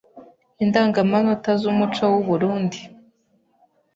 Indangamanota z’Umuco w’u Burunndi